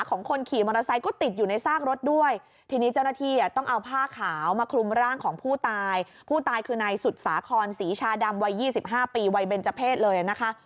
คอนศรีชาดำวัย๒๕ปีวัยเบรจเพศเลยนะคะ